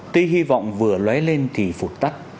tuy hy vọng vừa lấy lên thì phục tác